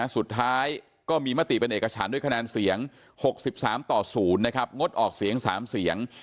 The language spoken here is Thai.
สุดท้ายก็มีมติเป็นเอกฉันด้วยคะแนนเสียง๖๓ต่อ๐งดออกเสียง๓เสียง